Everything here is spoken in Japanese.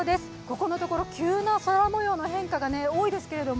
ここのところ急な空もようの変化が多いですけれども。